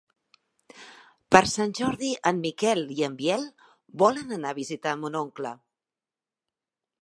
Per Sant Jordi en Miquel i en Biel volen anar a visitar mon oncle.